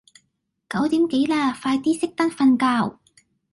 九點幾啦，快啲熄燈瞓覺